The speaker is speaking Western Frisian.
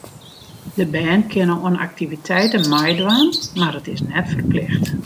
De bern kinne oan aktiviteiten meidwaan, mar it is net ferplicht.